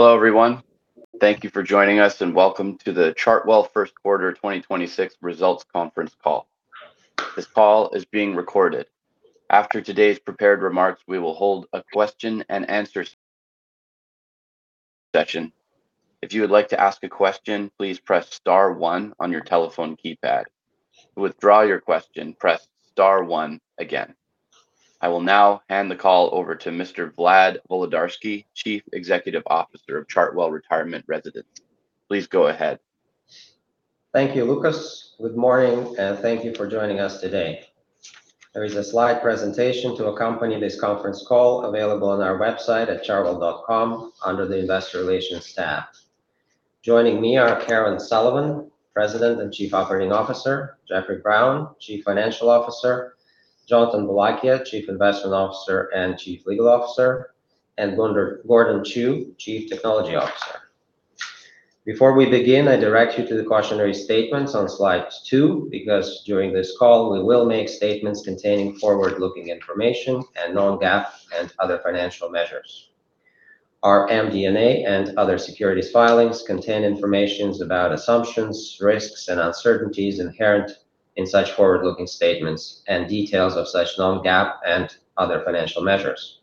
Hello, everyone. Thank you for joining us. Welcome to the Chartwell First Quarter 2026 Results Conference Call. This call is being recorded. After today's prepared remarks, we will hold a question-and-answer section. If you would like to ask a question, please press star one on your telephone keypad. To withdraw your question, press star one again. I will now hand the call over to Mr. Vlad Volodarski, Chief Executive Officer of Chartwell Retirement Residences. Please go ahead. Thank you, Lucas. Good morning, thank you for joining us today. There is a slide presentation to accompany this conference call available on our website at chartwell.com under the Investor Relations tab. Joining me are Karen Sullivan, President and Chief Operating Officer; Jeffrey Brown, Chief Financial Officer; Jonathan Boulakia, Chief Investment Officer and Chief Legal Officer; and Gordon Chiu, Chief Technology Officer. Before we begin, I direct you to the cautionary statements on slide two, because during this call, we will make statements containing forward-looking information and non-GAAP and other financial measures. Our MD&A and other securities filings contain informations about assumptions, risks, and uncertainties inherent in such forward-looking statements and details of such non-GAAP and other financial measures.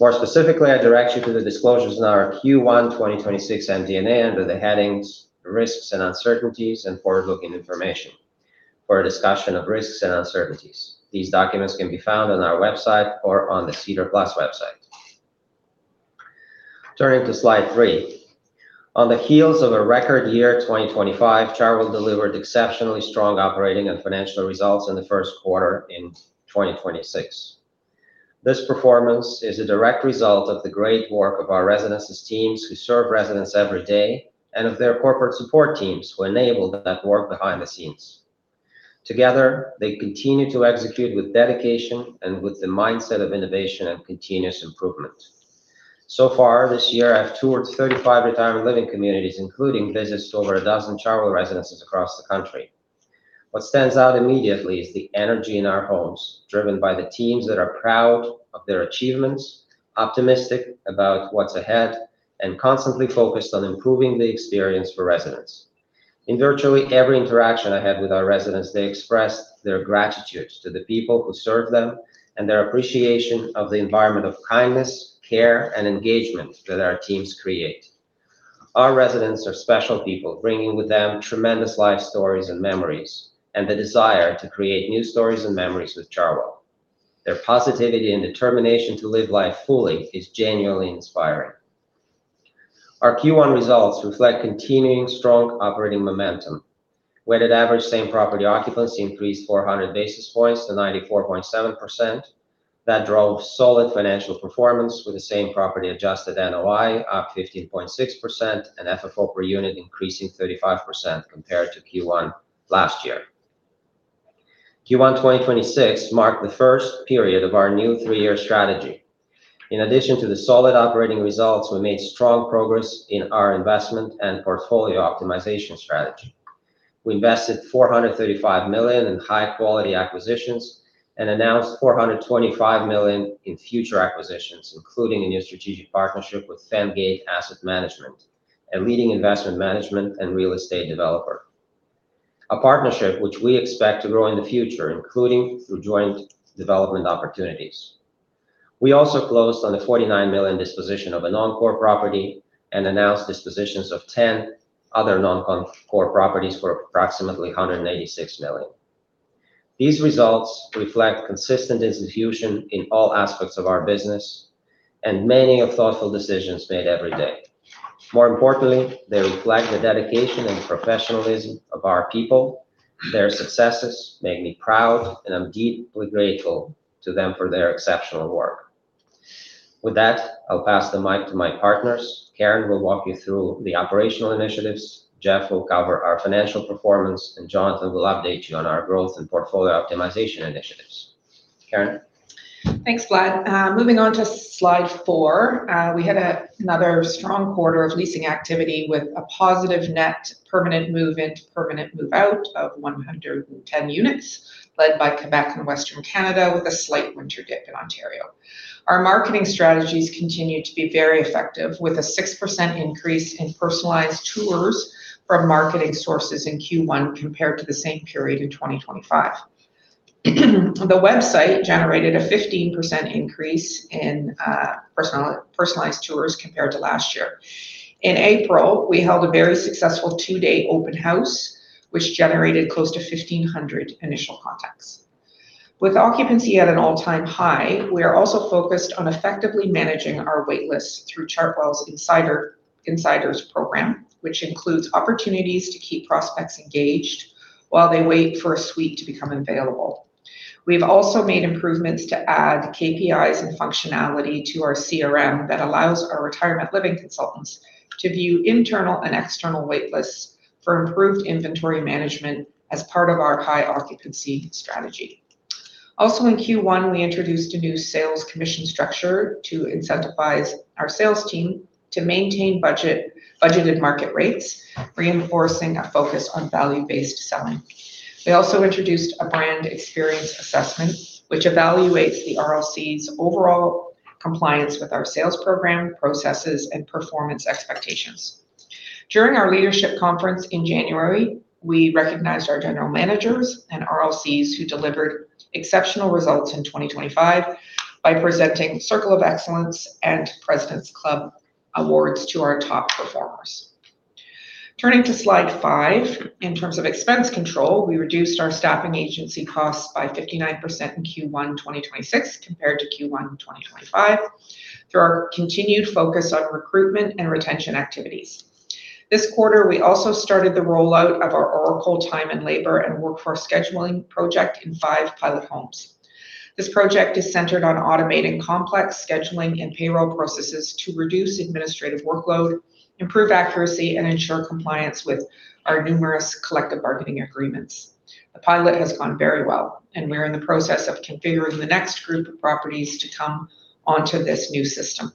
More specifically, I direct you to the disclosures in our Q1 2026 MD&A under the headings Risks and Uncertainties and Forward-Looking Information for a discussion of risks and uncertainties. These documents can be found on our website or on the SEDAR+ website. Turning to slide three. On the heels of a record year, 2025, Chartwell delivered exceptionally strong operating and financial results in the first quarter in 2026. This performance is a direct result of the great work of our residences teams who serve residents every day and of their corporate support teams who enable that work behind the scenes. Together, they continue to execute with dedication and with the mindset of innovation and continuous improvement. So far this year, I've toured 35 retirement living communities, including visits to over 12 Chartwell residences across the country. What stands out immediately is the energy in our homes, driven by the teams that are proud of their achievements, optimistic about what's ahead, and constantly focused on improving the experience for residents. In virtually every interaction I had with our residents, they expressed their gratitude to the people who serve them and their appreciation of the environment of kindness, care, and engagement that our teams create. Our residents are special people, bringing with them tremendous life stories and memories and the desire to create new stories and memories with Chartwell. Their positivity and determination to live life fully is genuinely inspiring. Our Q1 results reflect continuing strong operating momentum. Weighted average same-property occupancy increased 400 basis points to 94.7%. That drove solid financial performance with the same property adjusted NOI up 15.6% and FFO per unit increasing 35% compared to Q1 last year. Q1 2026 marked the first period of our new three-year strategy. In addition to the solid operating results, we made strong progress in our investment and portfolio optimization strategy. We invested 435 million in high-quality acquisitions and announced 425 million in future acquisitions, including a new strategic partnership with Fengate Asset Management, a leading investment management and real estate developer. A partnership which we expect to grow in the future, including through joint development opportunities. We also closed on a 49 million disposition of a non-core property and announced dispositions of 10 other non-core properties for approximately 186 million. These results reflect consistent execution in all aspects of our business and many of thoughtful decisions made every day. More importantly, they reflect the dedication and professionalism of our people. Their successes make me proud, and I'm deeply grateful to them for their exceptional work. With that, I'll pass the mic to my partners. Karen will walk you through the operational initiatives, Jeffrey will cover our financial performance, and Jonathan will update you on our growth and portfolio optimization initiatives. Karen? Thanks, Vlad. Moving on to slide four, we had another strong quarter of leasing activity with a positive net permanent move into permanent move out of 110 units, led by Quebec and Western Canada with a slight winter dip in Ontario. Our marketing strategies continue to be very effective with a 6% increase in personalized tours from marketing sources in Q1 compared to the same period in 2025. The website generated a 15% increase in personalized tours compared to last year. In April, we held a very successful 2-day open house, which generated close to 1,500 initial contacts. With occupancy at an all-time high, we are also focused on effectively managing our waitlists through Chartwell's Insiders program, which includes opportunities to keep prospects engaged while they wait for a suite to become available. We've also made improvements to add KPIs and functionality to our CRM that allows our retirement living consultants to view internal and external waitlists for improved inventory management as part of our high occupancy strategy. In Q1, we introduced a new sales commission structure to incentivize our sales team to maintain budgeted market rates, reinforcing a focus on value-based selling. We also introduced a brand experience assessment, which evaluates the RLC's overall compliance with our sales program, processes, and performance expectations. During our leadership conference in January, we recognized our general managers and RLCs who delivered exceptional results in 2025 by presenting Circle of Excellence and President's Club awards to our top performers. Turning to slide five, in terms of expense control, we reduced our staffing agency costs by 59% in Q1 2026 compared to Q1 2025 through our continued focus on recruitment and retention activities. This quarter, we also started the rollout of our Oracle Time and Labor and Workforce Scheduling project in five pilot homes. This project is centered on automating complex scheduling and payroll processes to reduce administrative workload, improve accuracy, and ensure compliance with our numerous collective bargaining agreements. The pilot has gone very well, and we're in the process of configuring the next group of properties to come onto this new system.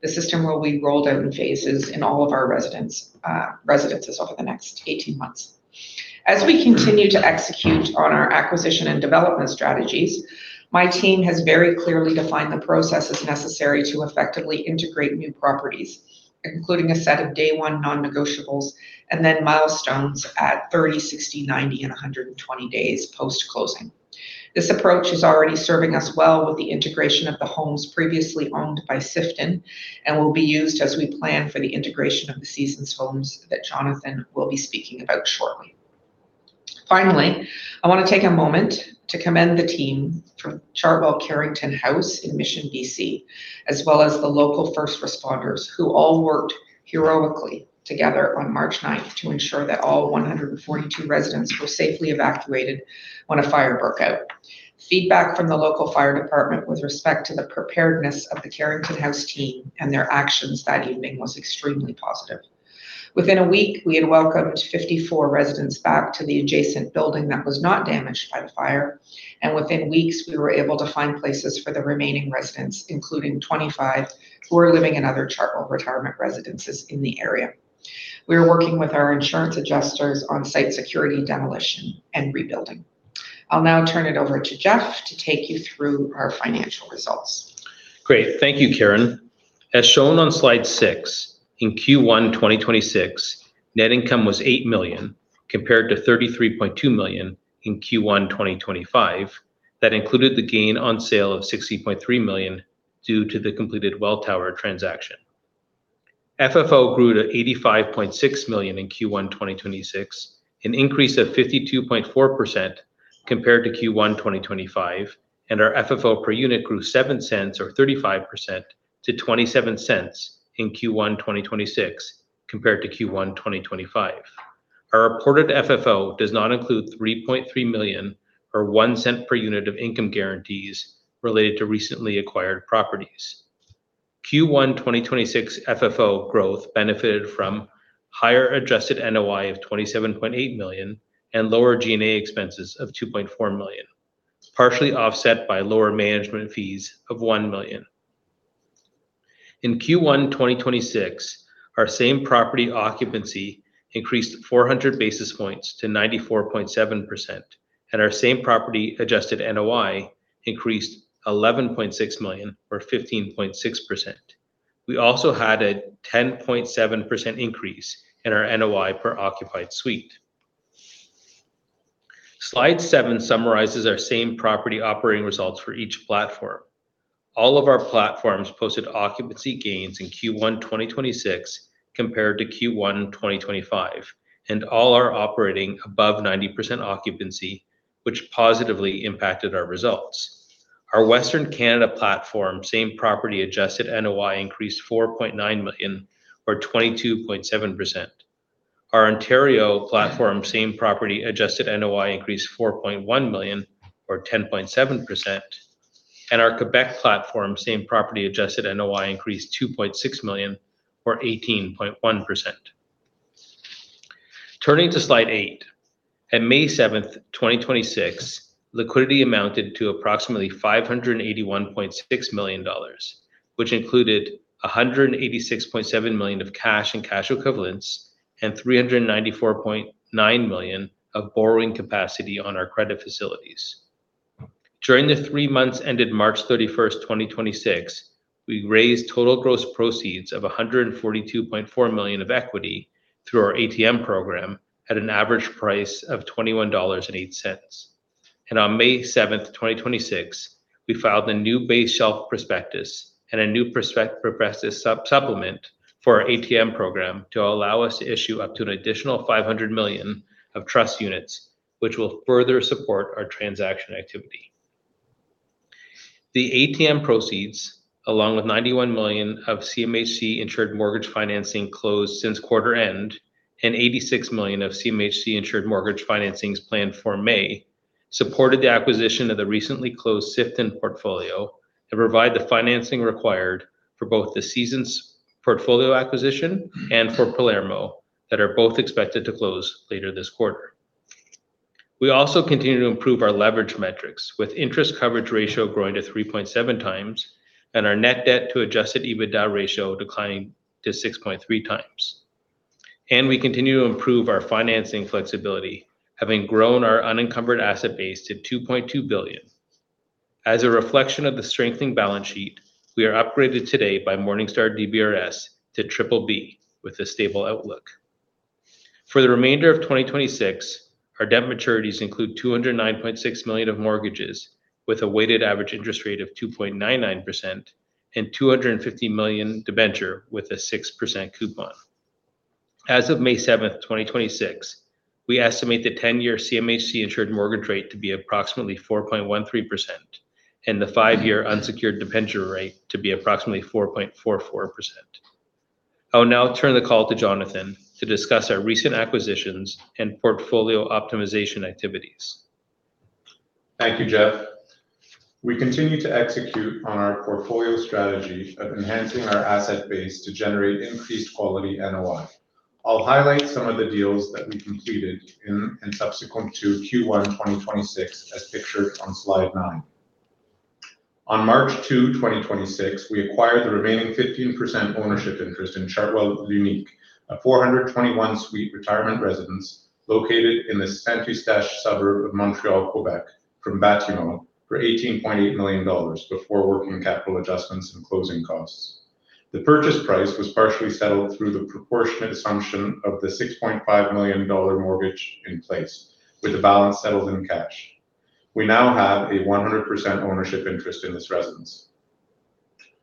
The system will be rolled out in phases in all of our residences over the next 18 months. As we continue to execute on our acquisition and development strategies, my team has very clearly defined the processes necessary to effectively integrate new properties, including a set of day one non-negotiables and then milestones at 30, 60, 90, and 120 days post-closing. This approach is already serving us well with the integration of the homes previously owned by Sifton and will be used as we plan for the integration of the Seasons homes that Jonathan will be speaking about shortly. Finally, I wanna take a moment to commend the team from Chartwell Carrington House in Mission, B.C., as well as the local first responders who all worked heroically together on March ninth to ensure that all 142 residents were safely evacuated when a fire broke out. Feedback from the local fire department with respect to the preparedness of the Carrington House team and their actions that evening was extremely positive. Within a week, we had welcomed 54 residents back to the adjacent building that was not damaged by the fire, and within weeks, we were able to find places for the remaining residents, including 25 who are living in other Chartwell retirement residences in the area. We are working with our insurance adjusters on site security, demolition and rebuilding. I'll now turn it over to Jeff to take you through our financial results. Great. Thank you, Karen. As shown on slide six, in Q1 2026, net income was 8 million compared to 33.2 million in Q1 2025. That included the gain on sale of 60.3 million due to the completed Welltower transaction. FFO grew to 85.6 million in Q1 2026, an increase of 52.4% compared to Q1 2025, and our FFO per unit grew 0.07 or 35% to 0.27 in Q1 2026 compared to Q1 2025. Our reported FFO does not include 3.3 million or 0.01 per unit of income guarantees related to recently acquired properties. Q1 2026 FFO growth benefited from higher adjusted NOI of 27.8 million and lower G&A expenses of 2.4 million, partially offset by lower management fees of 1 million. In Q1 2026, our same property occupancy increased 400 basis points to 94.7%, and our same property adjusted NOI increased 11.6 million or 15.6%. We also had a 10.7% increase in our NOI per occupied suite. Slide seven summarizes our same property operating results for each platform. All of our platforms posted occupancy gains in Q1 2026 compared to Q1 2025, and all are operating above 90% occupancy, which positively impacted our results. Our Western Canada platform same property adjusted NOI increased 4.9 million or 22.7%. Our Ontario platform same property adjusted NOI increased 4.1 million or 10.7%. Our Quebec platform same property adjusted NOI increased 2.6 million or 18.1%. Turning to slide eight. At May 7, 2026, liquidity amounted to approximately 581.6 million dollars, which included 186.7 million of cash and cash equivalents and 394.9 million of borrowing capacity on our credit facilities. During the three months ended March 31, 2026, we raised total gross proceeds of 142.4 million of equity through our ATM program at an average price of 21.08 dollars. On May 7th, 2026, we filed a new base shelf prospectus and a new prospectus supplement for our ATM program to allow us to issue up to an additional 500 million of trust units, which will further support our transaction activity. The ATM proceeds, along with 91 million of CMHC insured mortgage financing closed since quarter end and 86 million of CMHC insured mortgage financings planned for May, supported the acquisition of the recently closed Sifton portfolio and provide the financing required for both the Seasons portfolio acquisition and for Palermo that are both expected to close later this quarter. We also continue to improve our leverage metrics, with interest coverage ratio growing to 3.7x and our net debt to adjusted EBITDA ratio declining to 6.3x. We continue to improve our financing flexibility, having grown our unencumbered asset base to 2.2 billion. As a reflection of the strengthening balance sheet, we are upgraded today by Morningstar DBRS to BBB with a stable outlook. For the remainder of 2026, our debt maturities include 209.6 million of mortgages with a weighted average interest rate of 2.99% and 250 million debenture with a 6% coupon. As of May 7th, 2026, we estimate the 10-year CMHC insured mortgage rate to be approximately 4.13% and the five-year unsecured debenture rate to be approximately 4.44%. I will now turn the call to Jonathan to discuss our recent acquisitions and portfolio optimization activities. Thank you, Jeffrey. We continue to execute on our portfolio strategy of enhancing our asset base to generate increased quality NOI. I'll highlight some of the deals that we completed in subsequent to Q1 2026, as pictured on slide nine. On March 2, 2026, we acquired the remaining 15% ownership interest in Chartwell L'Unique, a 421-suite retirement residence located in the Saint-Eustache suburb of Montreal, Quebec, from Batimo for 18.8 million dollars before working capital adjustments and closing costs. The purchase price was partially settled through the proportionate assumption of the 6.5 million dollar mortgage in place, with the balance settled in cash. We now have a 100% ownership interest in this residence.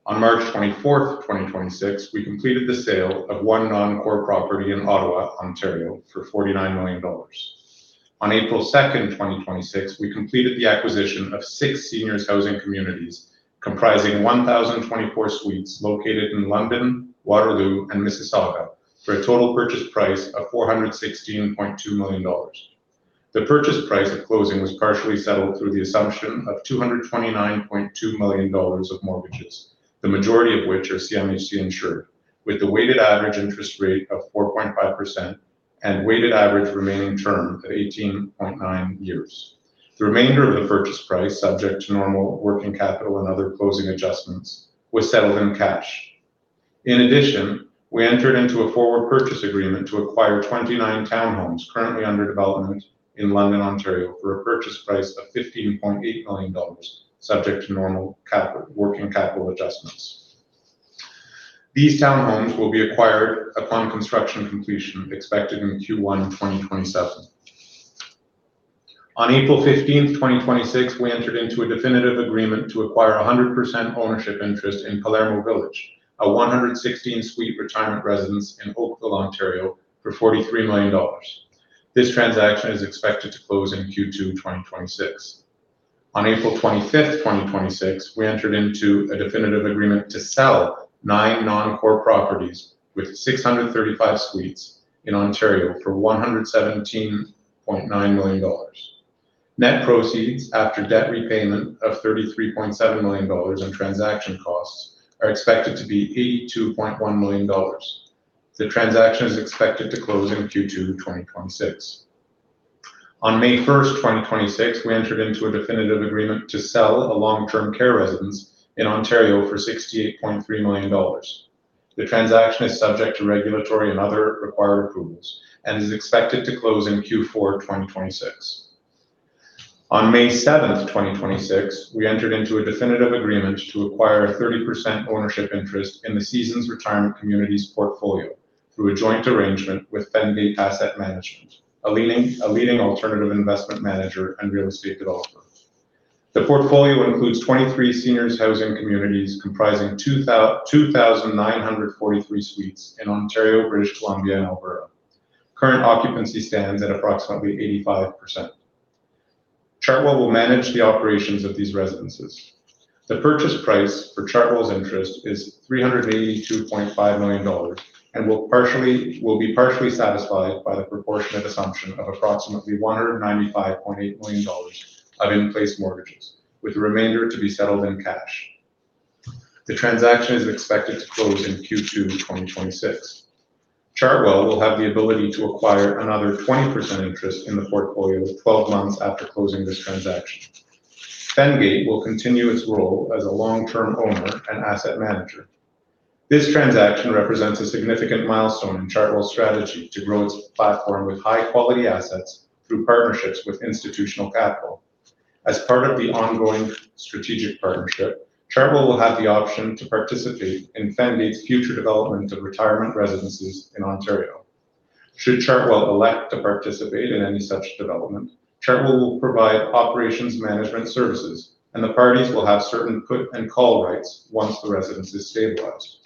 On March 24, 2026, we completed the sale of one non-core property in Ottawa, Ontario for 49 million dollars. On April 2nd, 2026, we completed the acquisition of six seniors housing communities comprising 1,024 suites located in London, Waterloo and Mississauga for a total purchase price of 416.2 million dollars. The purchase price at closing was partially settled through the assumption of 229.2 million dollars of mortgages, the majority of which are CMHC insured, with the weighted average interest rate of 4.5% and weighted average remaining term of 18.9 years. The remainder of the purchase price, subject to normal working capital and other closing adjustments, was settled in cash. In addition, we entered into a forward purchase agreement to acquire 29 townhomes currently under development in London, Ontario, for a purchase price of 15.8 million dollars, subject to normal working capital adjustments. These townhomes will be acquired upon construction completion expected in Q1 2027. On April 15, 2026, we entered into a definitive agreement to acquire 100% ownership interest in Palermo Village, a 116-suite retirement residence in Oakville, Ontario, for 43 million dollars. This transaction is expected to close in Q2 2026. On April 25, 2026, we entered into a definitive agreement to sell nine non-core properties with 635 suites in Ontario for 117.9 million dollars. Net proceeds after debt repayment of 33.7 million dollars in transaction costs are expected to be 82.1 million dollars. The transaction is expected to close in Q2 2026. On May 1st, 2026, we entered into a definitive agreement to sell a long-term care residence in Ontario for 68.3 million dollars. The transaction is subject to regulatory and other required approvals and is expected to close in Q4 2026. On May 7th, 2026, we entered into a definitive agreement to acquire a 30% ownership interest in the Seasons Retirement Communities portfolio through a joint arrangement with Fengate Asset Management, a leading alternative investment manager and real estate developer. The portfolio includes 23 seniors housing communities comprising 2,943 suites in Ontario, British Columbia and Alberta. Current occupancy stands at approximately 85%. Chartwell will manage the operations of these residences. The purchase price for Chartwell's interest is 382.5 million dollars and will be partially satisfied by the proportionate assumption of approximately 195.8 million dollars of in-place mortgages, with the remainder to be settled in cash. The transaction is expected to close in Q2 2026. Chartwell will have the ability to acquire another 20% interest in the portfolio 12 months after closing this transaction. Fengate will continue its role as a long-term owner and asset manager. This transaction represents a significant milestone in Chartwell's strategy to grow its platform with high-quality assets through partnerships with institutional capital. As part of the ongoing strategic partnership, Chartwell will have the option to participate in Fengate's future development of retirement residences in Ontario. Should Chartwell elect to participate in any such development, Chartwell will provide operations management services and the parties will have certain put and call rights once the residence is stabilized.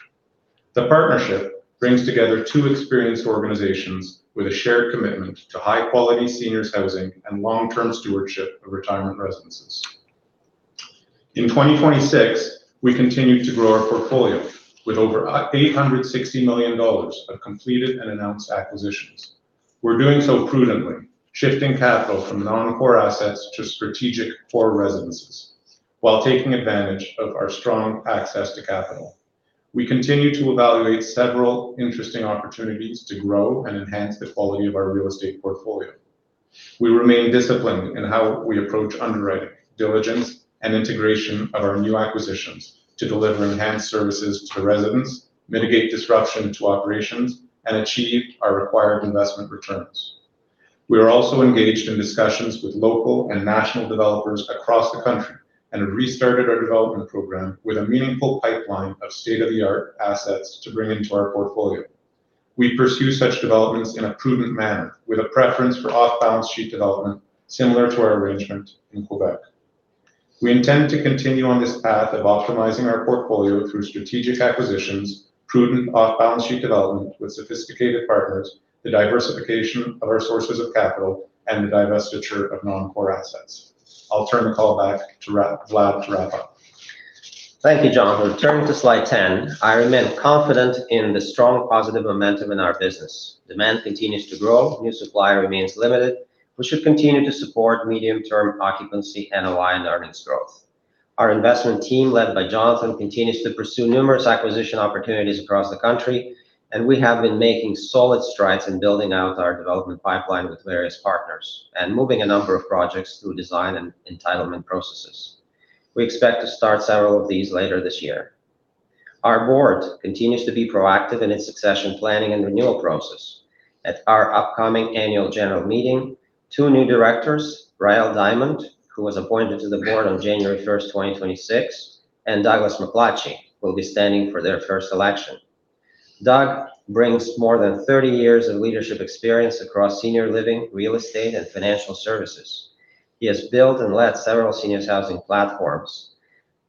The partnership brings together two experienced organizations with a shared commitment to high-quality seniors housing and long-term stewardship of retirement residences. In 2026, we continued to grow our portfolio with over 860 million dollars of completed and announced acquisitions. We're doing so prudently, shifting capital from non-core assets to strategic core residences while taking advantage of our strong access to capital. We continue to evaluate several interesting opportunities to grow and enhance the quality of our real estate portfolio. We remain disciplined in how we approach underwriting, diligence and integration of our new acquisitions to deliver enhanced services to residents, mitigate disruption to operations and achieve our required investment returns. We are also engaged in discussions with local and national developers across the country, and have restarted our development program with a meaningful pipeline of state-of-the-art assets to bring into our portfolio. We pursue such developments in a prudent manner, with a preference for off-balance sheet development similar to our arrangement in Quebec. We intend to continue on this path of optimizing our portfolio through strategic acquisitions, prudent off-balance sheet development with sophisticated partners, the diversification of our sources of capital, and the divestiture of non-core assets. I'll turn the call back to Vlad to wrap up. Thank you, Jonathan. Turning to slide 10, I remain confident in the strong positive momentum in our business. Demand continues to grow, new supply remains limited, which should continue to support medium term occupancy, NOI and earnings growth. Our investment team, led by Jonathan, continues to pursue numerous acquisition opportunities across the country, and we have been making solid strides in building out our development pipeline with various partners and moving a number of projects through design and entitlement processes. We expect to start several of these later this year. Our board continues to be proactive in its succession planning and renewal process. At our upcoming annual general meeting, two new directors, Rael Diamond, who was appointed to the board on January 1, 2026, and Douglas MacLatchy, will be standing for their first election. Doug brings more than 30 years of leadership experience across senior living, real estate and financial services. He has built and led several seniors housing platforms.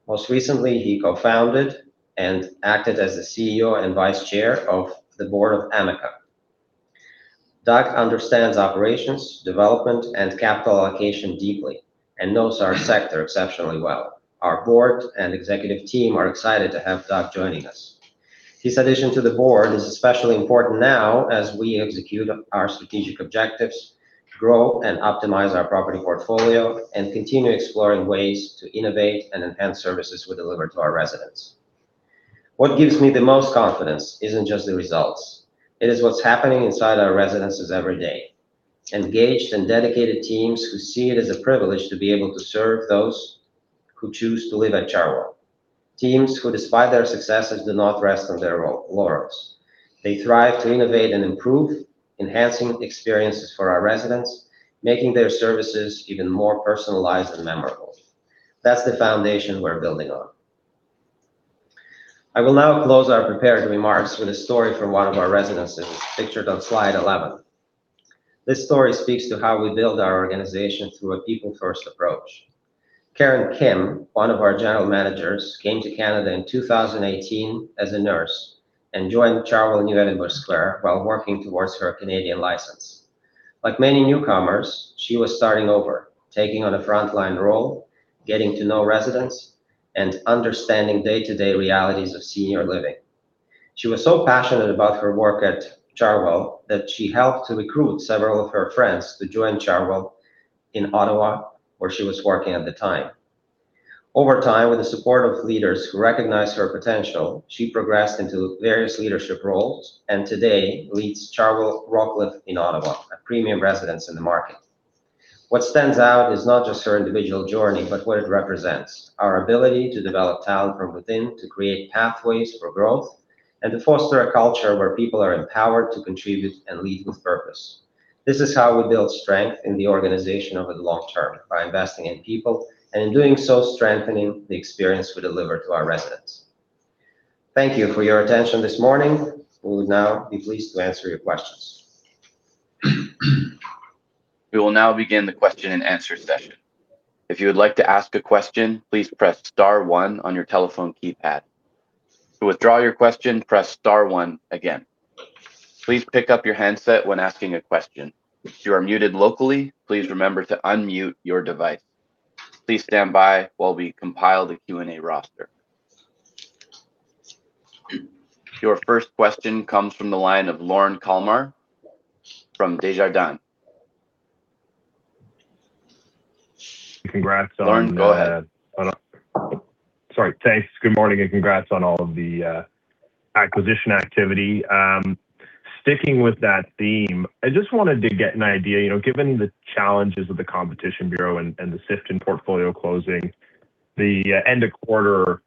Most recently, he co-founded and acted as the CEO and Vice Chair of the board of Amica. Doug understands operations, development and capital allocation deeply, and knows our sector exceptionally well. Our board and executive team are excited to have Doug joining us. His addition to the board is especially important now as we execute our strategic objectives, grow and optimize our property portfolio, and continue exploring ways to innovate and enhance services we deliver to our residents. What gives me the most confidence isn't just the results. It is what's happening inside our residences every day. Engaged and dedicated teams who see it as a privilege to be able to serve those who choose to live at Chartwell. Teams who, despite their successes, do not rest on their laurels. They thrive to innovate and improve, enhancing experiences for our residents, making their services even more personalized and memorable. That's the foundation we're building on. I will now close our prepared remarks with a story from one of our residences pictured on slide 11. This story speaks to how we build our organization through a people first approach. Karen Kim, one of our general managers, came to Canada in 2018 as a nurse and joined Chartwell New Edinburgh Square while working towards her Canadian license. Like many newcomers, she was starting over, taking on a frontline role, getting to know residents, and understanding day-to-day realities of senior living. She was so passionate about her work at Chartwell that she helped to recruit several of her friends to join Chartwell in Ottawa, where she was working at the time. Over time, with the support of leaders who recognized her potential, she progressed into various leadership roles and today leads Chartwell Rockcliffe in Ottawa, a premium residence in the market. What stands out is not just her individual journey, but what it represents. Our ability to develop talent from within, to create pathways for growth, and to foster a culture where people are empowered to contribute and lead with purpose. This is how we build strength in the organization over the long term, by investing in people and in doing so, strengthening the experience we deliver to our residents. Thank you for your attention this morning. We will now be pleased to answer your questions. We will now begin the question-and-answer session. Your first question comes from the line of Lorne Kalmar from Desjardins. Congrats on. Lorne, go ahead. Sorry. Thanks. Good morning and congrats on all of the acquisition activity. Sticking with that theme, I just wanted to get an idea, you know, given the challenges of the Competition Bureau and the Sifton portfolio closing, the end of quarter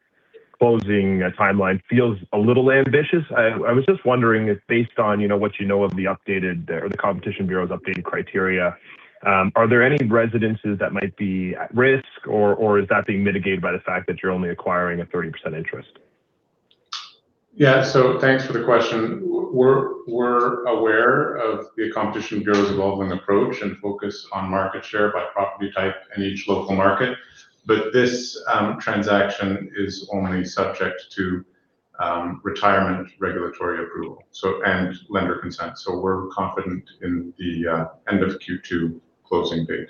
closing timeline feels a little ambitious. I was just wondering if based on, you know, what you know of the updated, or the Competition Bureau's updated criteria, are there any residences that might be at risk or is that being mitigated by the fact that you're only acquiring a 30% interest? Thanks for the question. We're aware of the Competition Bureau's evolving approach and focus on market share by property type in each local market. This transaction is only subject to retirement regulatory approval and lender consent. We're confident in the end of Q2 closing date.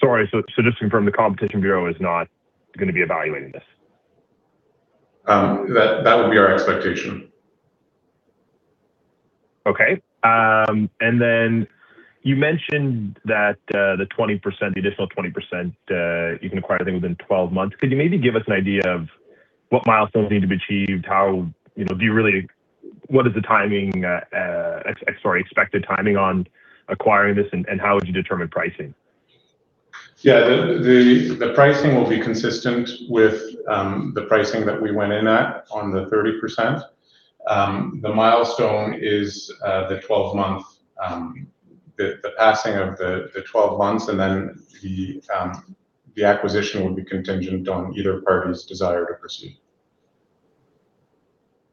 Sorry. Just to confirm, the Competition Bureau is not gonna be evaluating this? That would be our expectation. Okay. Then you mentioned that the 20%, the additional 20%, you can acquire I think within 12 months. Could you maybe give us an idea of what milestones need to be achieved? How, you know, what is the timing, or expected timing on acquiring this, and how would you determine pricing? Yeah, the pricing will be consistent with the pricing that we went in at on the 30%. The milestone is the 12-month, the passing of the 12 months, and then the acquisition would be contingent on either party's desire to proceed.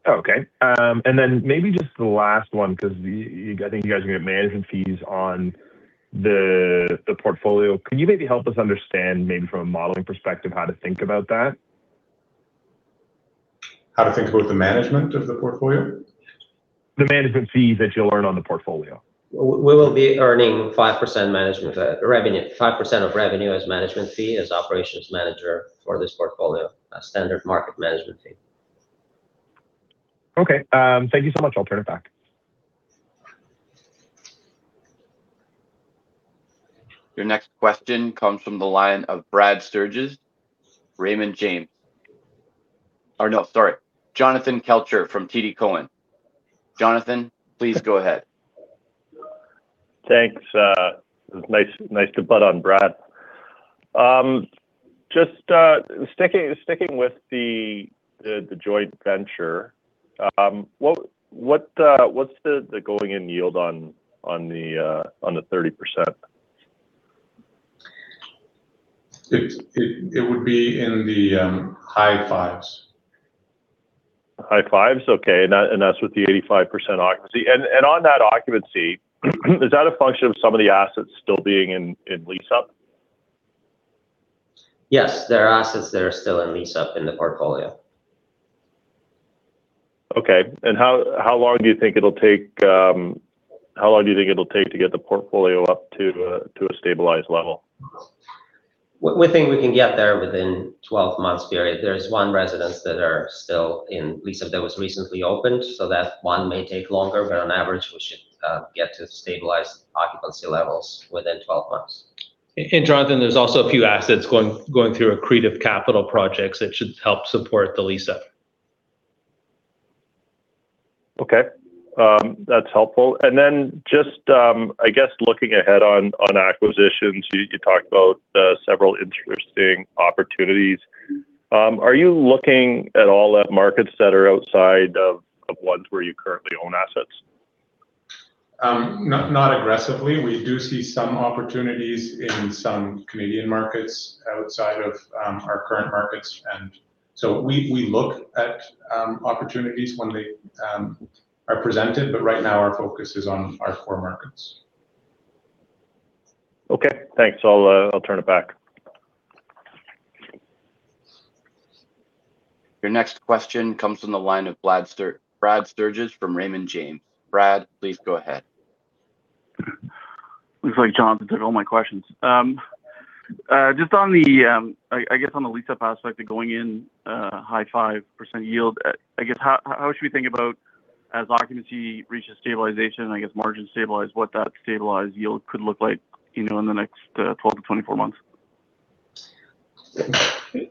Okay. Maybe just the last one because I think you guys are gonna have management fees on the portfolio. Can you maybe help us understand maybe from a modeling perspective how to think about that? How to think about the management of the portfolio? The management fee that you'll earn on the portfolio. We will be earning 5% management, revenue. 5% of revenue as management fee, as operations manager for this portfolio. A standard market management fee. Okay. Thank you so much. I'll turn it back. Your next question comes from the line of Brad Sturges, Raymond James. No, sorry. Jonathan Kelcher from TD Cowen. Jonathan, please go ahead. Thanks. It was nice to butt on Brad. Just sticking with the joint venture, what's the going in yield on the 30%? It would be in the high fives. High fives? Okay. That's with the 85% occupancy. On that occupancy, is that a function of some of the assets still being in lease up? Yes, there are assets that are still in lease up in the portfolio. Okay. How long do you think it'll take to get the portfolio up to a stabilized level? We think we can get there within 12 months period. There is one residence that are still in lease up that was recently opened, That one may take longer, but on average we should get to stabilized occupancy levels within 12 months. Jonathan, there's also a few assets going through accretive capital projects that should help support the lease up. Okay. That's helpful. Then just, I guess looking ahead on acquisitions, you talked about, several interesting opportunities. Are you looking at all at markets that are outside of ones where you currently own assets? Not aggressively. We do see some opportunities in some Canadian markets outside of our current markets. We look at opportunities when they are presented, but right now our focus is on our core markets. Okay. Thanks. I'll turn it back. Your next question comes from the line of Brad Sturges from Raymond James. Brad, please go ahead. Looks like Jonathan took all my questions. Just on the, I guess on the lease up aspect of going in, high 5% yield, I guess how should we think about as occupancy reaches stabilization, I guess margin stabilize, what that stabilized yield could look like, you know, in the next 12-24 months? Yeah.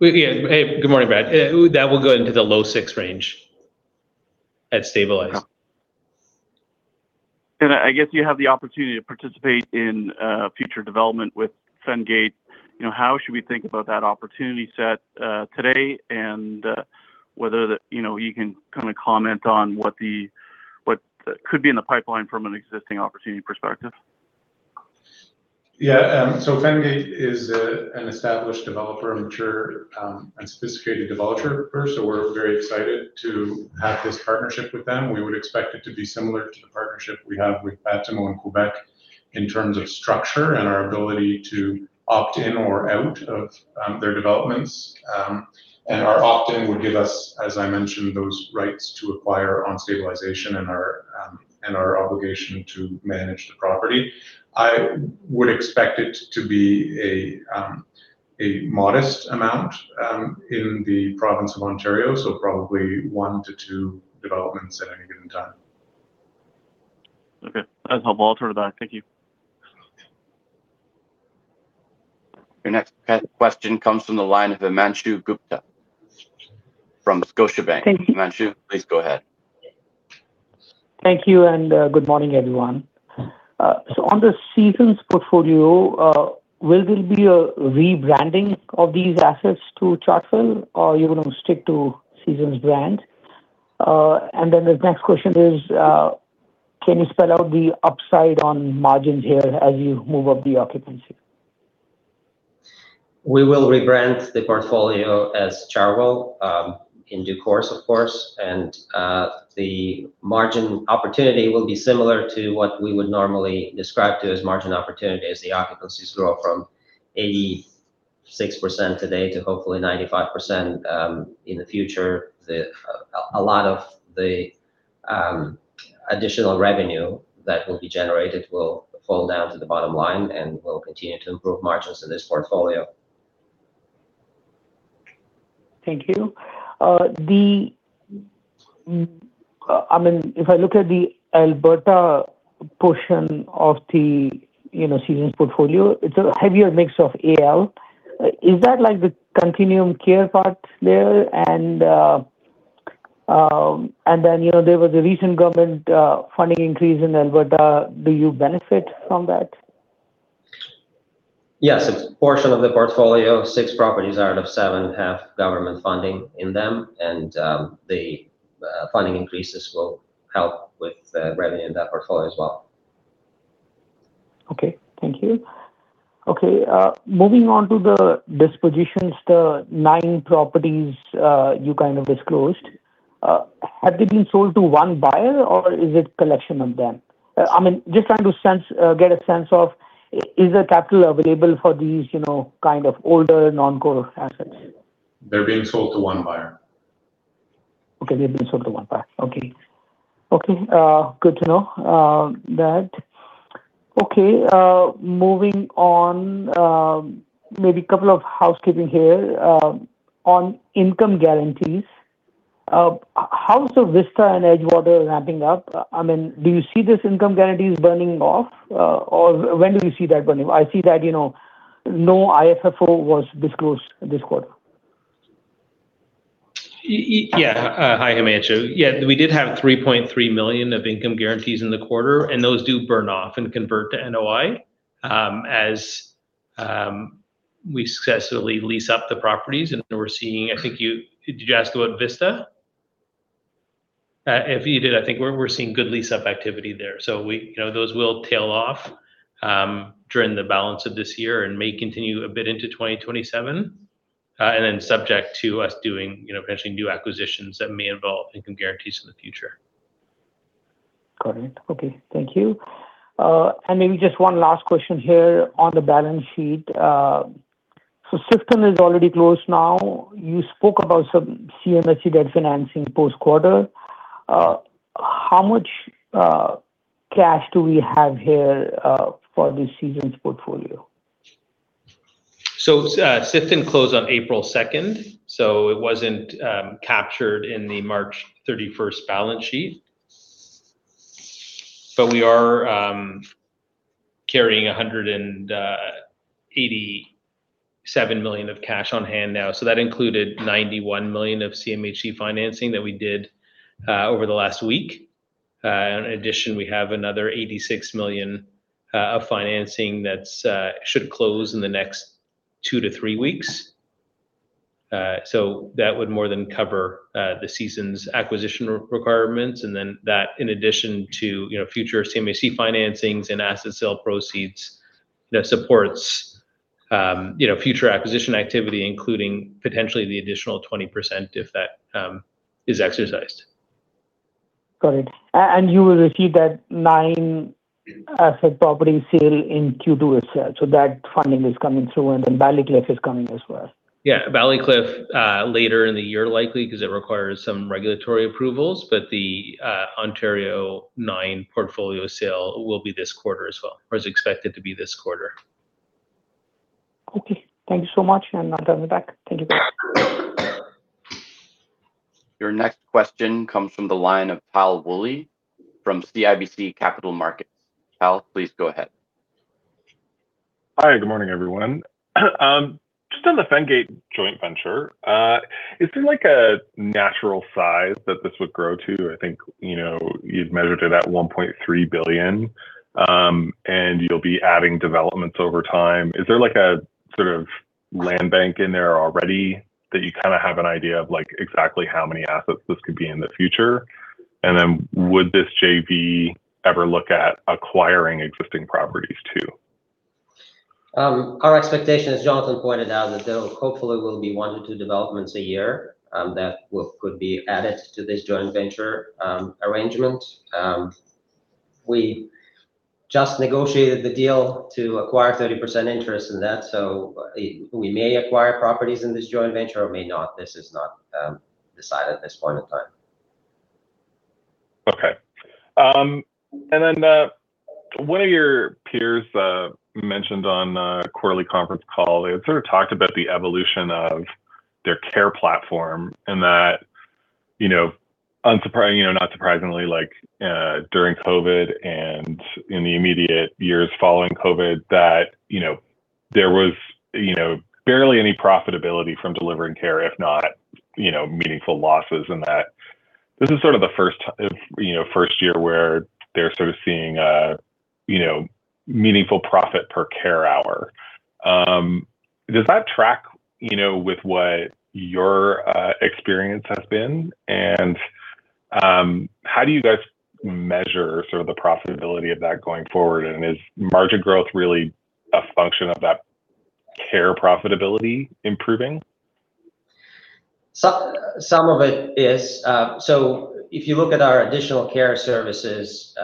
Hey, good morning, Brad. That will go into the low six range at stabilized. I guess you have the opportunity to participate in future development with Fengate. You know, how should we think about that opportunity set today? Whether the you know, you can kind of comment on what could be in the pipeline from an existing opportunity perspective. Yeah. Fengate is an established developer, a mature and sophisticated developer. We're very excited to have this partnership with them. We would expect it to be similar to the partnership we have with Batimo in Quebec in terms of structure and our ability to opt in or out of their developments. And our opt-in would give us, as I mentioned, those rights to acquire on stabilization and our obligation to manage the property. I would expect it to be a modest amount in the province of Ontario, probably one to two developments at any given time. Okay. That's helpful. I'll turn it back. Thank you. Your next question comes from the line of Himanshu Gupta from Scotiabank. Thank you. Himanshu, please go ahead. Thank you, and good morning, everyone. On the Seasons portfolio, will there be a rebranding of these assets to Chartwell or you're gonna stick to Seasons brand? The next question is, can you spell out the upside on margins here as you move up the occupancy? We will rebrand the portfolio as Chartwell, in due course, of course. The margin opportunity will be similar to what we would normally describe to as margin opportunity as the occupancies grow from 86% today to hopefully 95% in the future. The a lot of the additional revenue that will be generated will fall down to the bottom line, and we'll continue to improve margins in this portfolio. Thank you. I mean, if I look at the Alberta portion of the, you know, Seasons portfolio, it's a heavier mix of AL. Is that like the continuum care part there? Then, you know, there was a recent government funding increase in Alberta. Do you benefit from that? Yes. A portion of the portfolio, six properties out of seven have government funding in them. The funding increases will help with the revenue in that portfolio as well. Okay. Thank you. Okay. Moving on to the dispositions. The nine properties, you kind of disclosed, have they been sold to one buyer or is it collection of them? I mean, just trying to sense, get a sense of is the capital available for these, you know, kind of older non-core assets? They're being sold to one buyer. Okay. They've been sold to one buyer. Okay. Okay, good to know, that. Okay, moving on, maybe couple of housekeeping here. On income guarantees. How is the Vista and Edgewater ramping up? I mean, do you see this income guarantees burning off? Or when do we see that burning? I see that, you know, no IFFO was disclosed this quarter. Yeah, hi, Himanshu. We did have 3.3 million of income guarantees in the quarter, and those do burn off and convert to NOI as we successfully lease up the properties. We're seeing, I think you Did you ask about Vista? If you did, I think we're seeing good lease-up activity there. We, you know, those will tail off during the balance of this year and may continue a bit into 2027. Subject to us doing, you know, potentially new acquisitions that may involve income guarantees in the future. Got it. Okay. Thank you. Maybe just one last question here on the balance sheet. Sifton is already closed now. You spoke about some CMHC debt financing post quarter. How much cash do we have here for this Seasons' portfolio? Sifton closed on April second, it wasn't captured in the March 31st balance sheet. We are carrying 187 million of cash on hand now. That included 91 million of CMHC financing that we did over the last week. In addition, we have another 86 million of financing that should close in the next two to three weeks. That would more than cover the Seasons acquisition requirements and then that in addition to, you know, future CMHC financings and asset sale proceeds that supports, you know, future acquisition activity, including potentially the additional 20% if that is exercised. Got it. You will receive that nine asset property sale in Q2 itself. That funding is coming through and then Ballycliffe is coming as well. Yeah, Ballycliffe, later in the year likely 'cause it requires some regulatory approvals, but the Ontario nine portfolio sale will be this quarter as well, or is expected to be this quarter. Okay. Thank you so much. I'm gonna turn it back. Thank you. Your next question comes from the line of Tal Woolley from CIBC Capital Markets. Tal, please go ahead. Hi, good morning, everyone. Just on the Fengate joint venture, is there like a natural size that this would grow to? I think, you know, you've measured it at 1.3 billion, and you'll be adding developments over time. Is there like a sort of land bank in there already that you kind of have an idea of like exactly how many assets this could be in the future? Would this JV ever look at acquiring existing properties too? Our expectation, as Jonathan pointed out, is there hopefully will be one to two developments a year that could be added to this joint venture arrangement. We just negotiated the deal to acquire 30% interest in that, so we may acquire properties in this joint venture or may not. This is not decided at this point in time. Okay. One of your peers, mentioned on a quarterly conference call, they had sort of talked about the evolution of their care platform and that, you know, not surprisingly, like, during COVID and in the immediate years following COVID that, you know, there was, you know, barely any profitability from delivering care if not, you know, meaningful losses and that. This is sort of the first year where they're sort of seeing, you know, meaningful profit per care hour. Does that track, you know, with what your experience has been? How do you guys measure sort of the profitability of that going forward? Is margin growth really a function of that care profitability improving? Some of it is. If you look at our additional care services,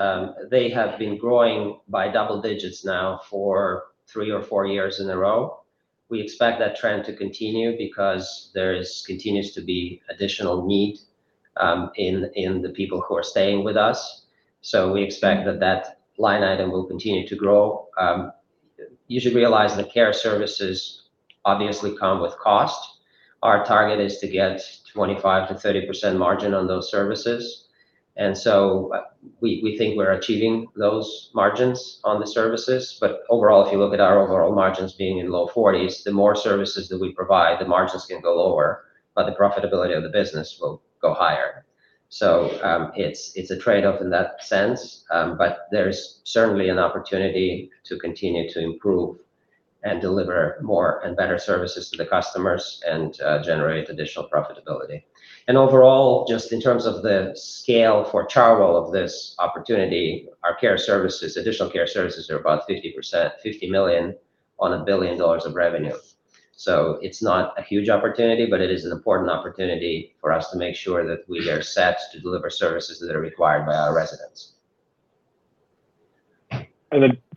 they have been growing by double digits now for three or four years in a row. We expect that trend to continue because there is continues to be additional need in the people who are staying with us. We expect that that line item will continue to grow. You should realize that care services obviously come with cost. Our target is to get 25%-30% margin on those services. And we think we're achieving those margins on the services. Overall, if you look at our overall margins being in low 40s, the more services that we provide, the margins can go lower, but the profitability of the business will go higher. It's a trade-off in that sense. There is certainly an opportunity to continue to improve and deliver more and better services to the customers and generate additional profitability. Overall, just in terms of the scale for Chartwell of this opportunity, our care services, additional care services are about 50%, 50 million on a 1 billion dollars of revenue. It's not a huge opportunity, but it is an important opportunity for us to make sure that we are set to deliver services that are required by our residents.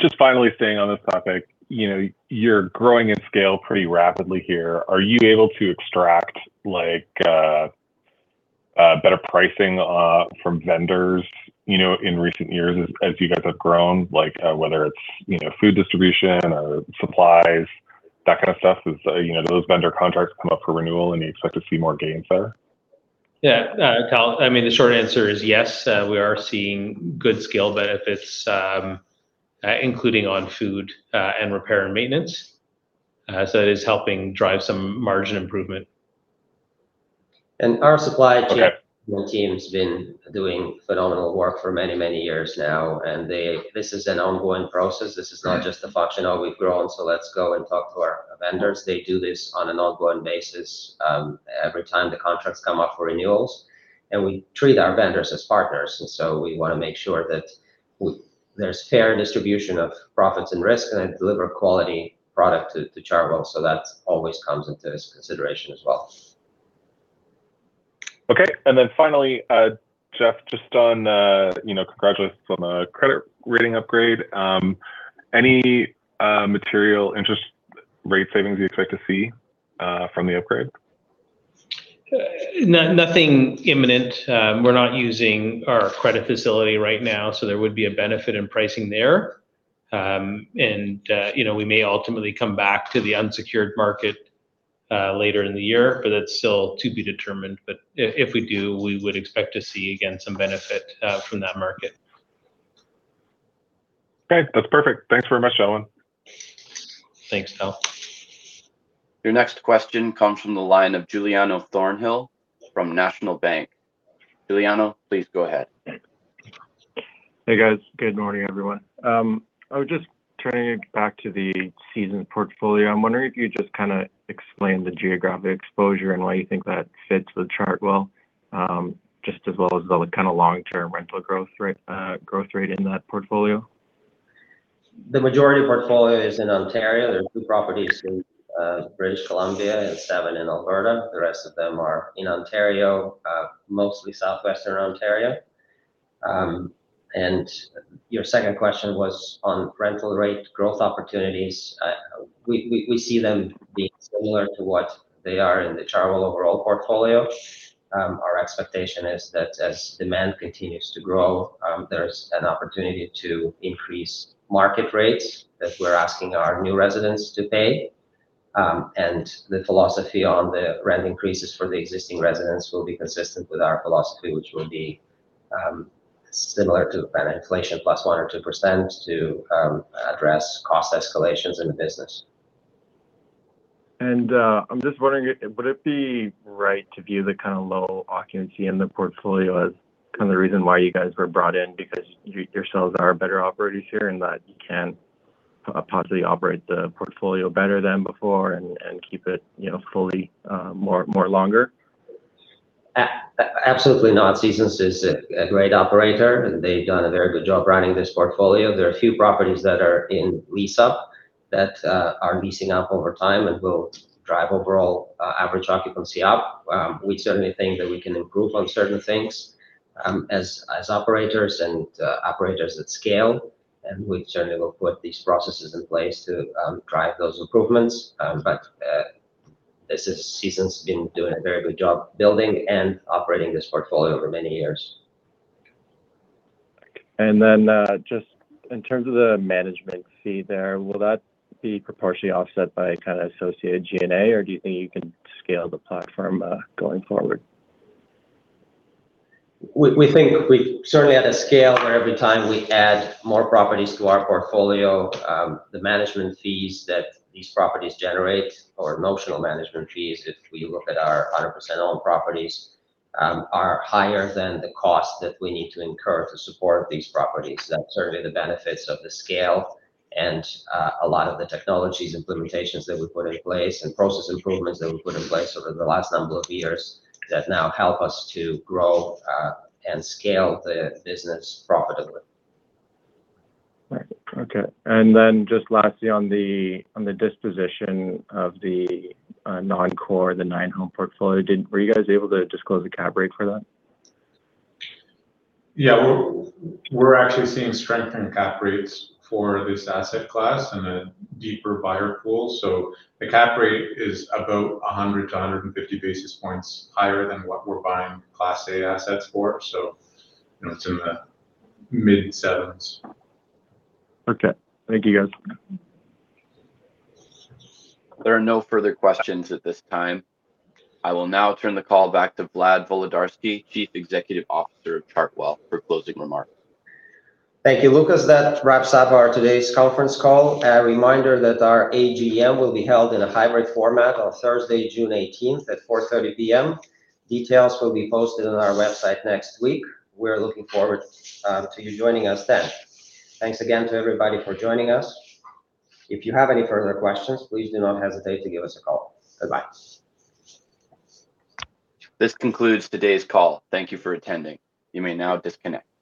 Just finally staying on this topic, you know, you're growing in scale pretty rapidly here. Are you able to extract like better pricing from vendors, you know, in recent years as you guys have grown? Like whether it's, you know, food distribution or supplies, that kind of stuff. Is, you know, do those vendor contracts come up for renewal and you expect to see more gains there? Yeah. Tal, I mean, the short answer is yes, we are seeing good scale benefits, including on food, and repair and maintenance. That is helping drive some margin improvement. Our supply chain. Okay. Team's been doing phenomenal work for many, many years now. This is an ongoing process. This is not just a function of we've grown, so let's go and talk to our vendors. They do this on an ongoing basis every time the contracts come up for renewals. We treat our vendors as partners, so we want to make sure that there's fair distribution of profits and risk, and they deliver quality product to Chartwell. That always comes into this consideration as well. Okay. Finally, Jeff, just on, you know, congratulations on the credit rating upgrade. Any material interest rate savings you expect to see from the upgrade? Nothing imminent. We're not using our credit facility right now, so there would be a benefit in pricing there. You know, we may ultimately come back to the unsecured market later in the year, but that's still to be determined. If we do, we would expect to see, again, some benefit from that market. Okay. That's perfect. Thanks very much, gentlemen. Thanks, Tal. Your next question comes from the line of Giuliano Thornhill from National Bank. Giuliano, please go ahead. Hey, guys. Good morning, everyone. I was just turning it back to the Seasons portfolio. I'm wondering if you'd just kinda explain the geographic exposure and why you think that fits with Chartwell, just as well as the kind of long-term rental growth rate in that portfolio. The majority of portfolio is in Ontario. There are two properties in British Columbia and seven in Alberta. The rest of them are in Ontario, mostly Southwestern Ontario. Your second question was on rental rate growth opportunities. We see them being similar to what they are in the Chartwell overall portfolio. Our expectation is that as demand continues to grow, there's an opportunity to increase market rates that we're asking our new residents to pay. The philosophy on the rent increases for the existing residents will be consistent with our philosophy, which will be similar to kind of inflation plus 1% or 2% to address cost escalations in the business. I'm just wondering, would it be right to view the kind of low occupancy in the portfolio as kind of the reason why you guys were brought in? Because yourselves are better operators here, and that you can possibly operate the portfolio better than before and keep it, you know, fully, more longer. Absolutely not. Seasons is a great operator. They've done a very good job running this portfolio. There are a few properties that are in lease-up that are leasing up over time and will drive overall average occupancy up. We certainly think that we can improve on certain things as operators and operators at scale. We certainly will put these processes in place to drive those improvements. Seasons been doing a very good job building and operating this portfolio over many years. Just in terms of the management fee there, will that be proportionally offset by kind of associated G&A, or do you think you can scale the platform going forward? We think we certainly are at a scale where every time we add more properties to our portfolio, the management fees that these properties generate, or notional management fees if we look at our 100% owned properties, are higher than the cost that we need to incur to support these properties. That's certainly the benefits of the scale and a lot of the technologies implementations that we've put in place and process improvements that we've put in place over the last number of years that now help us to grow and scale the business profitably. Right. Okay. Just lastly on the disposition of the non-core, the nine-home portfolio, were you guys able to disclose the cap rate for that? Yeah. We're actually seeing strength in cap rates for this asset class and a deeper buyer pool. The cap rate is about 100 basis points to 150 basis points higher than what we're buying Class A assets for. You know, it's in the mid sevens. Okay. Thank you, guys. There are no further questions at this time. I will now turn the call back to Vlad Volodarski, Chief Executive Officer of Chartwell, for closing remarks. Thank you, Lucas. That wraps up our today's conference call. A reminder that our AGM will be held in a hybrid format on Thursday, June 18th at 4:30 P.M. Details will be posted on our website next week. We're looking forward to you joining us then. Thanks again to everybody for joining us. If you have any further questions, please do not hesitate to give us a call. Bye-bye. This concludes today's call. Thank you for attending. You may now disconnect.